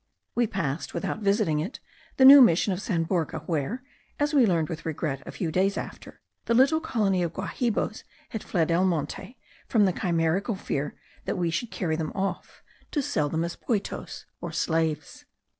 We passed, without visiting it, the new mission of San Borga, where (as we learned with regret a few days after) the little colony of Guahibos had fled al monte, from the chimerical fear that we should carry them off; to sell them as poitos, or slaves.